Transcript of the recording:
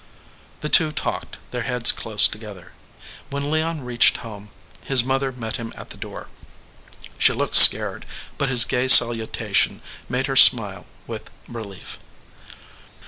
The two talked, their heads close together. When Leon reached home his mother met him at the door. She looked scared, but his gay salu tation made her smile with relief.